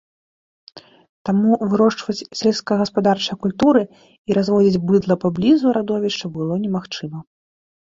Таму вырошчваць сельскагаспадарчыя культуры і разводзіць быдла паблізу радовішча было немагчыма.